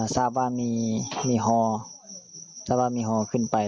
ทราบว่ามีฮอทราบว่ามีฮอขึ้นไป